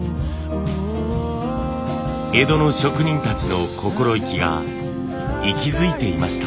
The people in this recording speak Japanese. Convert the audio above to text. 江戸の職人たちの心意気が息づいていました。